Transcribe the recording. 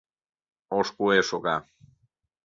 Ош куэ шога.